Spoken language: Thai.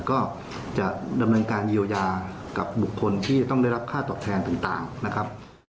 ก็จะดำเนินการเยียวยากับบุคคลที่ต้องได้รับค่าตอบแทนต่างนะครับ